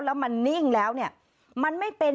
แล้วมันนิ่งแล้วเนี่ยมันไม่เป็น